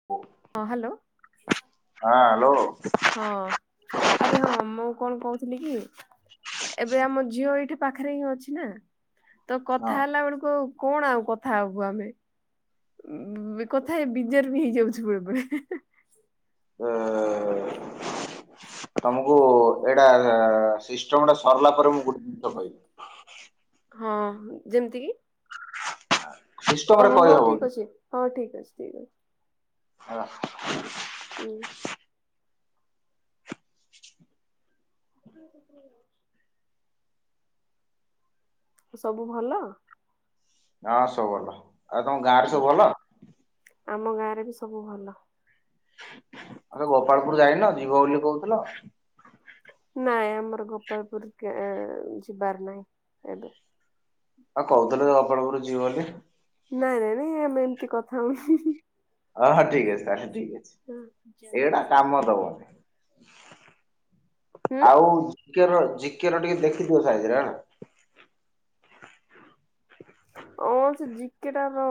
[inaudible] ହଁ ହ୍ୟାଲୋ। ହଁ ହ୍ୟାଲୋ। ହଁ ଆରେ ହଁ ମୁଁ କଣ କହୁଥିଲି କି। ଏବେ ଆମ ଝିଅ ଏଇଠି ପାଖରେ ହିଁ ଅଛି ନା ତ କଥା ହେଲା ବେଳକୁ କଣ ଆଉ କ। କଥା ହବୁ ଆମେ କଥା ହେଇ ବିଯାର ବି ହେଇଯାଉଛୁ ବେଳେ ବେଳେ। ଅ। ତମକୁ ଏଇଟା ସିଷ୍ଟମଟା ସରିଲା ପରେ ମୁଁ ଗୋଟେ ଜିନିଷ କହିବି। ହଁ ଯେମିତି କି। ସିଷ୍ଟମ ରେ ଓହୋ ହଁ କହିହବ କି ଠିକି ଅଛି ହଉ ଠିକ ଅଛି ଠିକ୍ ଅଛି। ହା ଉଁ [unintelligible] ସବୁ ଭଲ। ଆ ସବୁ ଭଲ ଆଉ ତମ ଗାଁ ରେ ହୁଁ, ସବୁ ଭଲ। ଆମ ଗାଁରେ ବି ସବୁ ଭଲ। ଆରେ ଗୋପାଳପୁରୁ ଯାଇନ ଯିବ ବୋଲି କହୁଥିଲ। ନାଇଁ ଆମର ଗୋପାଳପୁରୁ କୁ ଯିବାର ନାହିଁ ଏବେ। ଆଉ କହୁଥିଲ ଗୋପାଳପୁରୁ ଯିବ ବୋଲି। ନାଇଁ ନାଇଁ ଆମେ ଏମିତି କଥା ହଉଥିଲୁ। ହଁ ହଁ ଠିକି ଅଛି ତାହେଲେ ଠିକି ଅଛି ଏଇଗୁଡା କାମ ଦେବ। ହୁଁ ଆଉ ଜିକେ ର ଯିକେ ର ଟିକେ ଦେଖି ଥିବ ସାଇଜ ରେ ହେଲା। ଓ ସେ ଜିକେଟାର।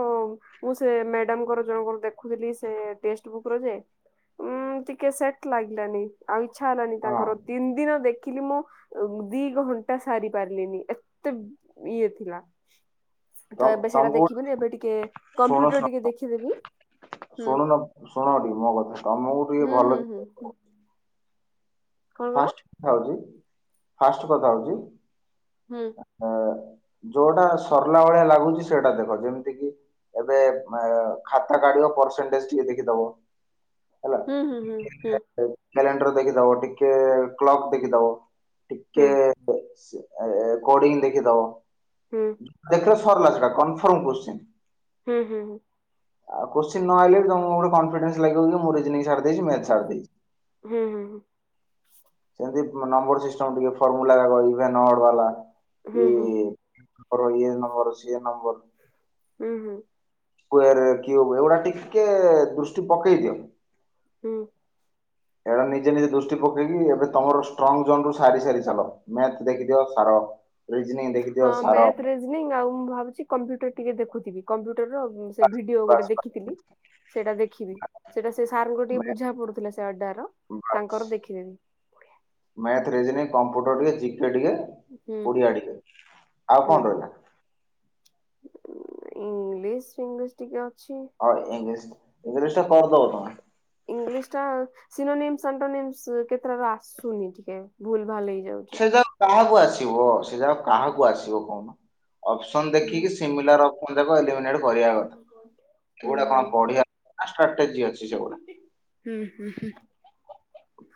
ମୁଁ ସେ ମ୍ୟାଡାମଙ୍କର ଜଣଙ୍କର ଦେଖୁଥିଲି ସେ ଟେଷ୍ଟ ଵୁକ୍ ର ଯେ। ଉଁ ଟିକେ ସେଟ୍ ଲାଗିଲାନି ଆଉ ଇଚ୍ଛା ହେଲାନି ହଁ ତାଙ୍କର ତିନି ଦିନ ଦେଖିଲି ମୁଁ। ଦି ଘଣ୍ଟା ସାରି ପାରିଲିନି ଏତେ ଇଏ ଥିଲା। ତ ଏବେ ସେଇଟା ଦେଖିବିନି ଏବେ ଟିକେ ଶୁଣ କମ୍ପ୍ୟୁଟର ଶୁଣ ଟିକେ ଦେଖିଦେବି। ହୁଁ ଶୁଣୁନ ଶୁଣ ଟିକେ ମୋ କଥା ତମକୁ ଟିକେ ହୁଁ ହୁଁ ଭଲ ହୁଁ ଜ। ହୁଁ କଣ କଣ ଫାଷ୍ଟ କଥା ହଉଛି ଫାଷ୍ଟ କଥା ହଉଛି। ହୁଁ। ଅ ଯୋଉଟା ସରିଲା ଭଳିଆ ଲାଗୁଛି ସେଇଟା ଦେଖ ଯେମିତି କିି। ଏବେ ଖାତା କାଡିବ ପରସେଣ୍ଟେଜ ଟିକେ ଦେଖିଦବ। ହେଲା ହୁଁ ହୁଁ ଟିକେ କ୍ୟାଲେଣ୍ଡର ଦେଖିଦବ ଟିକେ କ୍ଲକ ଦେଖିଦବ। ହୁଁ ଟିକେ ସେ କୋଡ଼ିଙ୍ଗ ଦେଖିଦବ। ହୁଁ। ଦେଖିଲ ସରିଲା ସେଟା କନଫର୍ମ କୋଶ୍ଚିନ। ହୁଁ ହୁଁ ହୁଁ। ଆଉ କୋଶ୍ଚି ନ ହେଲେ ବି ତମକୁ ଗୋଟେ କନଫିଡେନ୍ସ ଲାଗିବ କି ଜେ ମୁଁ ରିଯୋନିଂ ସାରି ଦେଇଛି ମେଥ ସାରି ଦେଇଛି। ହୁଁ ହୁଁ ହୁଁ। ସେମତି ନମ୍ବର ସିଷ୍ଟମ ଟିକେ ଫର୍ମୁଲା ଇଭେନ ଅଡ ବାଲା ହୁଁ ହୁଁ ହୁଁ କି। ହୁଁ ହୁଁ କର ଇଏ ନମ୍ବର ସିଏ ନମ୍ବର। ହୁଁ ହୁଁ। ସ୍କୁୟାର କ୍ୟୁବ ଏଇଗୁଡା ଟିକେ ଦୃଷ୍ଟି ପକେଇ ଦିଅ। ହୁଁ। ଏବେ ନିଜେ ନିଜେ ଦୃଷ୍ଟି ପକେଇକି ଏବେ ତମର ଷ୍ଟ୍ରଙ୍ଗ ଜୋନ ରୁ ସାରି ସାରି ଚାଲ। ମ୍ୟାଥ ଦେଖିଦିଅ ସାର। ରିଜନିଂ ଦେଖିଦିଅ ହଁ ସାର ମ୍ୟାଥ, ରେଜିନିଂ ଆଉ ମୁଁ ଭାବୁଚି କମ୍ପ୍ୟୁଟର ଟିକେ ଦେଖୁଥିବି କମ୍ପ୍ୟୁଟରର ଉଁ ସେ ଭିଡିଓ ବାସ୍ ଗୋଟେ ବାସ୍ ଦେଖିଥିଲି। ସେଇଟା ଦେଖିବି। ସେଇଟା ସେ ସାର୍ ଙ୍କ ଟିକେ ବୁଝା ପଡୁଥିଲା ସେ ଅଡାର ର ତାଙ୍କର ଦେଖିବି। ମ୍ୟାଥ, ରିଜନିଂ, କମ୍ପ୍ୟୁଟର ଟିକେ, ଜିକେ ଟିକେ, ହୁଁ ଓଡ଼ିଆ ଟିକେ। ଆଉ ହୁଁ କଣ ରହିଲା? ଇଂଲିଶ ଫିଙ୍ଗିଲିସି ଟିକେ ଅଛି। ଆଉ ଇଂଲିସ ଇଂଲିସ ଟା କରଦବ ତମେ। ଇଂଲିଶ ଟା ସିନୋନେମସ୍ ସନ୍ଟୋନେମସ୍ କେତେଟା ରା ଆସୁନି। ଏ ଭୁଲ ଭାଲ ହେଇଯାଉଚି। ଯେ କାହାକୁ ଆସିବ ସେ ଯା କାହାକୁ ଆସିବ କଣ? ଅପସନ ହୁଁ ଦେଖିକି ସିମିଲାର ଅପ୍ ମୁଁ କହିଲି ତାକୁ ଏଲିମିଣ୍ଟେ କରିଆ କଥା। ହୁଁ ଏଗୁଡା ହୁଁ କଣ ପଢା ସ୍ଟ୍ରଟେଜି ଅଛି ସେଗୁଡା। ହୁଁ ହୁଁ ହୁଁ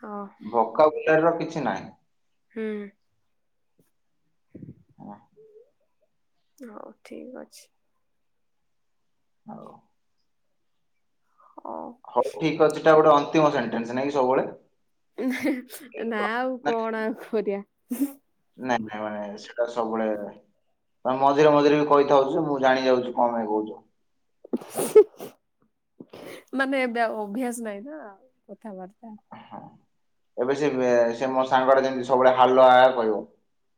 ହଁ। କମ୍ପେୟାର ର କିଛି ନାହିଁ। ହୁଁ। [inaudible] ହଁ। ହଉ ଠିକ ଅଛି। ହଉ। ହଉ। ହଉ ଠିକ ଅଛିଟା ଗୋଟେ ଅନ୍ତିମ ସେଣ୍ଟେନ୍ସ ନାଇଁ ସବୁବେଳେ। ନା ଆଉ ନାଇଁ କଣ ଆଉ କରିଆ? ନାଇଁ ନାଇଁ ମାନେ ସେଟା ସବୁବେଳେ ତମେ ମଝିରେ ମଝିରେ ବି କହିଥାଉଚ ମୁଁ ଜାଣି ଯାଉଚ କଣପାଇଁ କହୁଚ। ମାନେ ଏବେ ଅଉ ଅଭ୍ୟାସ ନାଇଁ ନା କଥାବାର୍ତ୍ତା। ହୁଁ ଏବେ ସେ ସେ ମୋ ସାଙ୍ଗଟେ ଯେମିତି ସବୁବେଳେ ହାଲୋ ହାଏ କହିବ।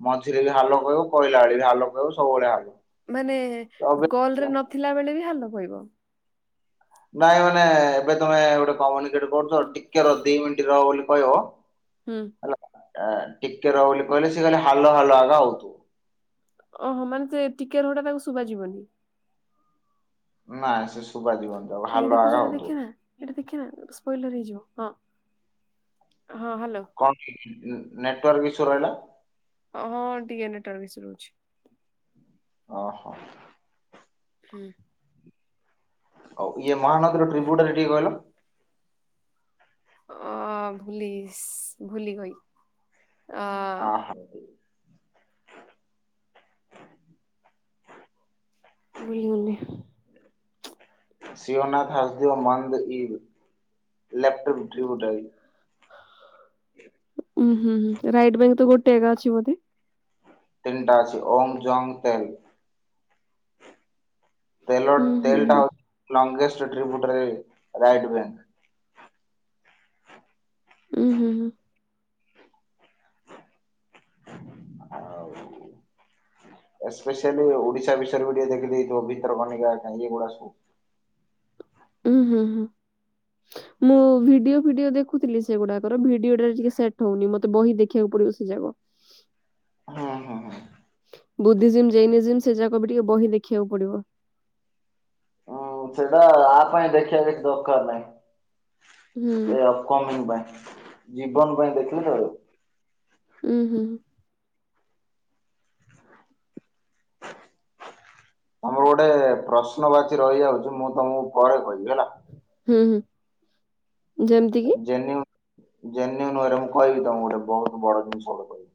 ମଝିରେ ବି ହାଲୋ କହିଲା ବେଳେ ବି ହାଲୋ କହିବ ସବୁବେଳେ ହାଲୋ। ମାନେ ତ ଏବେ କଲରେ ନଥିଲା ବେଳେ ବି ହାଲୋ କହିବ। ନାଇଁ ମାନେ ଏବେ ତମେ ଗୋଟେ କମ୍ୟୁନିକେଟେ କରୁଚ ଟିକେ ରହ ଦି ମିନିଟ ରହ ବୋଲି କହିବ ହୁଁ। ହେଲା। ଅଁ ଟିକେ ର ବୋଲି କହିଲେ ସେ ଖାଲି ହାଲୋ ହାଲୋ ହାଲୋ ହୋଉଥିବ। ଓହୋ ମାନେ ସେ ଟିକେ ରହଟା ତାକୁ ଶୁବାଯିବନି। ନାଇଁ ସେ ଶୁବାଜିବନ ଯୋଉ ହାଲୋ ହାଏ ହଉଥିବ। ଏଇଟା ଦେଖେ ନା ସ୍ପଏଲର ହେଇଯିବ ହଁ। ହଁ ହାଲୋ। କଣ ନେଟୱାର୍କ ଇସ୍ୟୁ ରହିଲା? ଓ ହଁ ଟିକେ ନେଟୱାର୍କ ଇସ୍ୟୁ ରହୁଚି। ଓହୋ। ହୁଁ। ହଉ ଇଏ ମହାନଦୀର ଟ୍ରିଭ୍ୟୁଟା ଟିକେ କିହିଲ। ଅ ଭୁଲିଯାଇସି ଭୁଲିଗଇ ଅ ଅହ ଭୁଲିଗଲି। ସିଓନାଥ ହସଦଓ ମନ୍ଦ ଇ [unintelligible] ଉଁ ହୁଁ ହୁଁ ରାଇଟ ବ୍ୟାଙ୍କ୍ ତ ଗୋଟେଏଗା ଅଛି ବୋଧେ? ତିନଟା ଅଛି ଓମ୍ ଜଙ୍ଗ ତେଲ ତେଲ ଉଁ ହୁଁ ତେଲ ଟା ହୁଁ ହଉଛି ଲଙ୍ଗେଷ୍ଟ [unintelligible] ବ୍ୟାଙ୍କ। ଉୁଁ ହୁଁ ହୁଁ। ଆଉ [inaudible] ଉୁଁ ହୁଁ ହୁଁ। ହଁ। ମୁଁ ଭିଡିଓ ଫିଡିଓ ଦେଖୁଥିଲି ସେଗୁଡାକର। ଭିଡିଓଟା ଟିକେ ସେଟ୍ ହଉନି ମତେ ବହି ଦେଖିବାକୁ ପଡିବ, ସେ ଯାକର। ହଁ। ବୁଦ୍ଧିଜିମ୍, ଜେନିଜିମ୍ ସେ ଯାକ ବି ଟିକେ ବହି ଦେଖିବାକୁ ପଡିବ। ହୁଁ ସେଟା ଆ ପାଇଁ ଦେଖିବା କି ଦରକାର ନାହିଁ। ହୁଁ ଏ ଅପକମିଂ ପାଇଁ। ଜୀବନ ପାଇଁ ଦେଖିଲି ଆଉ। ହୁଁ ହୁଁ। ତମର ଗୋଟେ ପ୍ରଶ୍ନ ବାଚୀ ରହିଯାଉଛି ମୁଁ ତମକୁ ପରେ କହିବି ହେଲା। ହୁଁ ହୁଁ, ଯେମିତି କି? ଜେନ୍ୟୁ ଜେନ୍ୟୁ ନୁହଁରେ ମୁଁ କହିବି ତମକୁ ଗୋଟେ ବହୁତ ବଡ଼ ଜିନିଷ ଟେ କହିବି।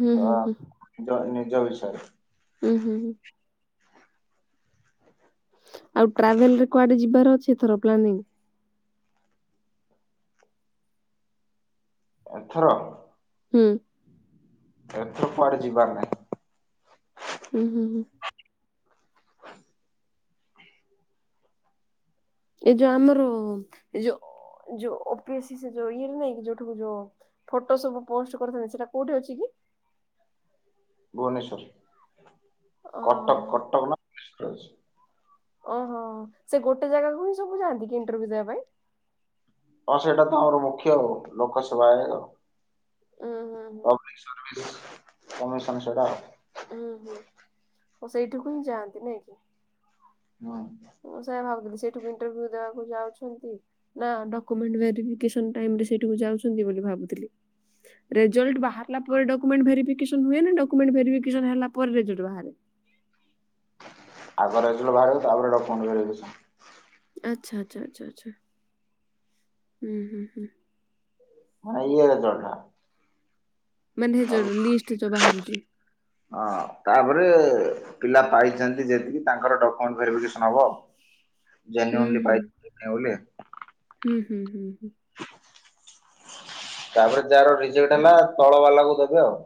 ହୁଁ ହୁଁ ହୁଁ। ଜ ନିଜ ବିଷୟରେ। ହୁଁ ହୁଁ ହୁଁ। ଆଉ ଟ୍ରାଭେଲ ରେ କୁଆଡେ ଯିବାର ଅଛି ଏଥର ପ୍ଲାନିଂ? ଏଥର? ହୁଁ। ଏଥର କୁଆଡେ ଯିବାର ନାହିଁ। ହୁଁ ହୁଁ ହୁଁ। ଏଇ ଯୋଉ ଆମର ଏ ଯୋଉ ଯୋଉ ଓ ପି ଏ ସି ଯୋଉ ଇଏ ନୁହେଁ କି ଯୋଉଠାକୁ ଯୋଉ ଫଟୋ ସବୁ ପୋଷ୍ଟ କରିଥାନ୍ତି ସେଇଟା କୋଉଠି ଅଛି କି? ଭୁବନେଶ୍ଵରରେ। ଓହୋ କଟକ-କଟକ ନା ଓହୋଃ, ସେ ଗୋଟେ ଜାଗାକୁ ହିଁ ସବୁ ଯାଆନ୍ତି କି ଇଣ୍ଟରଭି୍ୟୁ ଦେବା ପାଇଁ? ହଁ ସେଇଟା ତ ଆମର ମୁଖ୍ୟ ଲୋକ ସେବା। ଉଁ ହୁଁ ହୁଁ। କମିଶନ୍ ସେଟା ଆଉ। ଉୁଁ ହୁଁ, ସେଇଠିକୁ ହିଁ ଯାଆନ୍ତି ନାଇଁ କି? ହଁ। ମୁଁ ସେଇଆ ଭାବୁଥିଲି ସେଇଠିକୁ ଇଣ୍ଟରଭିୟୁ ଦେବାକୁ ଯାଉଛନ୍ତି ନା ଡକ୍ୟୁମେଣ୍ଟ ଭେରିଫିକେସନ୍ ଟାଇମ୍ ରେ ସେଇଠାକୁ ଯାଉଛନ୍ତି ବୋଲି ଭାବୁଥିଲି। ରେଜଲ୍ଟ ବାହାରିଲା ପରେ ଡକ୍ୟୁମେଣ୍ଟ ଭେରିଫିକେସନ ହୁଏ ନା ଡକ୍ୟୁମେଣ୍ଟ ଭେରିଫିକେସନ୍ ହେଲା ପରେ ରେଜଲ୍ଟ ବାହାରେ? ଆଗ ରେଜଲ୍ଟ ବାହାରିବ, ତା ପରେ ଡକ୍ୟୁମେଣ୍ଟ ଭେରିଫିକେସନ୍। ଆଚ୍ଛା ଆଚ୍ଛା ଆଚ୍ଛା ଆଚ୍ଛା। ହୁଁ ହୁଁ ହୁଁ। [unintelligible] ମାନେ ଆଉ ଯୋ ଲିଷ୍ଟ ଯୋଉ ବାହାରୁଛି? ହଁ, ତାପରେ ପିଲା ପାଇଛାନ୍ତି ଯେତିକି, ତାଙ୍କର ଡକ୍ୟୁମେଣ୍ଟ ଭେରିଫିକେସନ ହବ। ହୁଁ [unintelligible] ହୁଁ ହୁଁ ହୁଁ ହୁଁ। ତାପରେ ଯାହାର ରିଜେକ୍ଟ ହେଲା ତଳ ବାଲା କୁ ଦେବେ ଆଉ।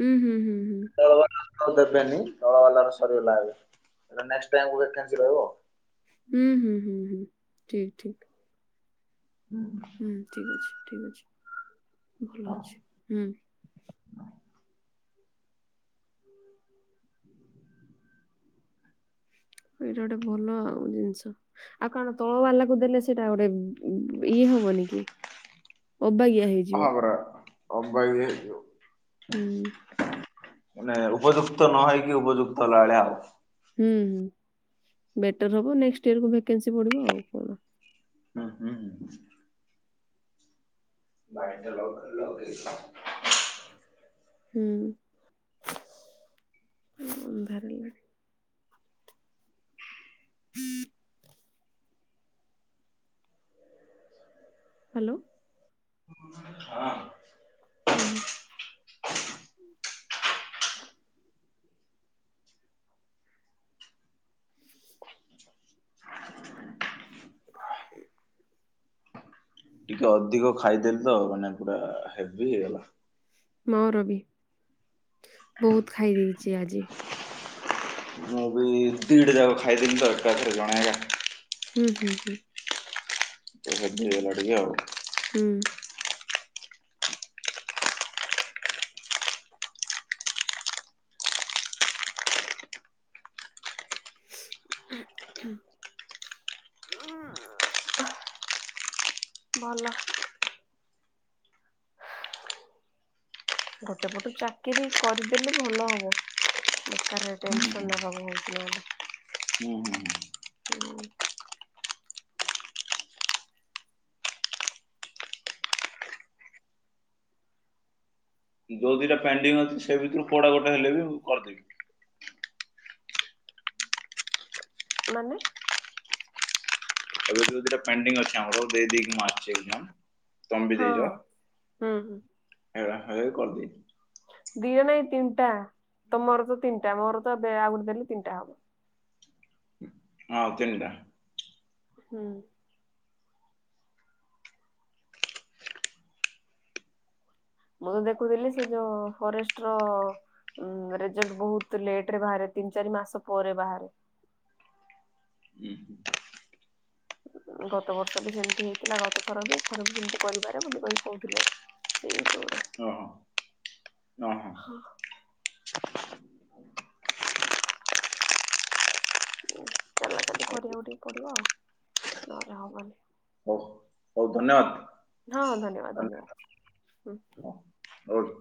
ହୁଁ ହୁଁ ହୁଁ ହୁଁ। ବା ଦେବେନି ତଳ ବାଲାର ସରିଗଲା ଏଇଲେ ଏଟା ନେଷ୍ଟ ପାଇଁ ଗୋଟେ [unintelligible] ରହିବ। ହୁଁ ହୁଁ ହୁଁ ହୁଁ ଠିକ୍ ଠିକ୍। ହୁଁ ହୁଁ। ହୁଁ ଠିକ୍ ଅଛି ଠିକ୍ ଅଛି ଭଲ ଅଛି ହୁଁ। ଏଇଟା ଗୋଟେ ଭଲ ଆଉ ଜିନିଷ। ଆଉ କଣ ତଳ ବାଲା କୁ ଦେଲେ ସେଇଟା ଗୋଟେ ଇଏ ହବନି କି? ଅବାଗିଆ ହଁ ହେଇଯିବ। ପରା ଅବାଗିଆ ହେଇଯିବ। ହୁଁ। ମାନେ ଉପଯୁକ୍ତ ନହେଇକି ଉପଯୁକ୍ତ ହେଲା ଭଳିଆ ଆଉ। ହୁଁ ହୁଁ ବେଟର ହବ ନେକ୍ସଟ ଇୟର କୁ ଭେକେନ୍ସି ବଢ଼ିବ ଆଉ କଣ। ହୁଁ ହୁଁ। [unintelligible] ହୁଁ ଉଁ ଅନ୍ଧାର ହେଲାଣି। [inaudible] ହାଲୋ। ହଁ। ହୁଁ। [inaudible] [inaudible] [unintelligible] ଟିକେ ଅଧିକ ଖାଇଦେଲି ତ ମାନେ ପୁରା ହେଭି ହେଇଗଲା। ମୋର ବି ବହୁତ ଖାଇ ଦେଇଛି ଆଜି। ମୁଁ ବି ଦିଟା ଯାକ ଖାଇଦେଲି ତ ଏକା ଏକାରେ ଜଣେ ଏକା। ହୁଁ ହୁଁ ହୁଁ। ତ ହେଭି ହେଇଗଲା ଟିକେ ଆଉ। ହୁଁ। [unintelligible] ଭଲ। ଗୋଟେ ପଟୁ ଚାକିରୀ କରିଦେଲେ ଭଲ ହବ। ବେକାରରେ ହୁଁ ହୁଁ। ଟେନସନ ନବାକୁ ହଉଛି ନହେଲେ। ହୁଁ ହୁଁ। ହୁଁ ହୁଁ। ଯୋଉ ଦିଇଟା ପେଣ୍ଡିଙ୍ଗ ଅଛି ସେ ଭିତରୁ କୋଉଟା ଗୋଟେ ହେଲେ ବି ମୁଁ କରଦେବି। ମାନେ? ତା ଭିତରେ ଦିଟା ପେଣ୍ଡିଙ୍ଗ ଅଛି ଆମର ଦେଇଦେଇକି ମୁଁ ଆସଛି ଏକ୍ଜାମ। ତମେ ହଁ ହୁଁ ହୁଁ। ହେଇରା ହେଲେବି କରଦେବି। ଦିିଟା ନାଇଁ ତିନଟା ତମର ତ ତିନଟା ମୋର ତ ଦେ ଏବେ ଆଉ ଗୋଟେ ଦେଲେ ତିନଟା ହବ। ଆଉ ତିନଟା। ହୁଁ। ମୁଁ ତ ଦେଖୁଥିଲି ସେ ଯୋଉ ଫରେଷ୍ଟ ର। ଉଁ ରେଜଲ୍ଟ ବହୁତ ଲେଟରେ ବାହାରେ ତିନ ଚାରି ମାସ ପରେ ବାହାରେ। ହୁଁ ହୁଁ। ଗତ ବର୍ଷ ବି ସେମତି ହେଇଥିଲା ଗତ ଥର ବି ଏଥର ବି ସେମତି କରିପାରେ ମୋତେ ଭାଇ କହୁଥିଲେ। ସେଇ [unintelligible] ରା। ଓ ହୋ ଚାଲା ଚାଲି କରିବାକୁ ଟିକେ ପଡିବ ଆଉ ନହେଲେ ହବନି ହଉ ହଉ ଧନ୍ୟବାଦ ହଁ ହଁ ଧନ୍ୟବାଦ ଧନ୍ୟ- ଧନ୍ୟବାଦ ହଁ ହଉ ହଉ